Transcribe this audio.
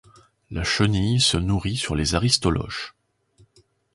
La chenille se nourrit sur les Aristoloches.